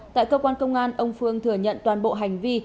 tại cơ quan công an ông phương thừa nhận toàn bộ hành vi